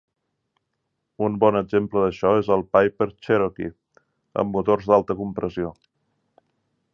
Un bon exemple d'això és el Piper Cherokee, amb motors d'alta compressió.